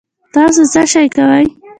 تاسو څه شئ کوی